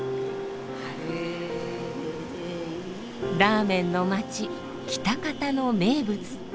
ラーメンの街喜多方の名物。